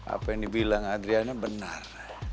apa yang dibilang adriana benar